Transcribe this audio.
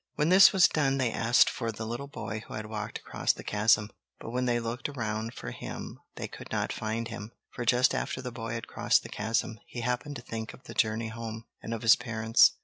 When this was done they asked for the little boy who had walked across the chasm; but when they looked around for him they could not find him. For just after the boy had crossed the chasm, he happened to think of the journey home, and of his parents.